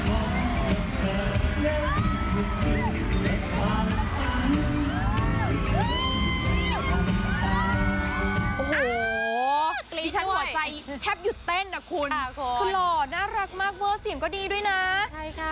โอ้โหดิฉันหัวใจแทบหยุดเต้นนะคุณคือหล่อน่ารักมากเวอร์เสียงก็ดีด้วยนะใช่ค่ะ